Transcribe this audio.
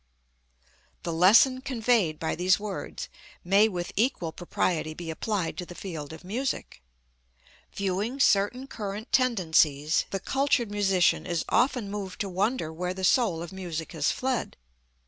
The lesson conveyed by these words may with equal propriety be applied to the field of music. Viewing certain current tendencies the cultured musician is often moved to wonder where the soul of music has fled.